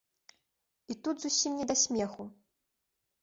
І тут зусім не да смеху.